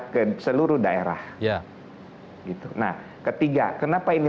ke seluruh daerah nah ketiga kenapa ini